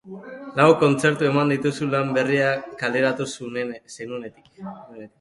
Lau kontzertu eman dituzu lan berria kaleratu zenuenetik.